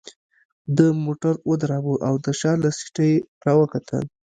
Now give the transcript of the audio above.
ده موټر ودراوه او د شا له سیټه يې راوکتل.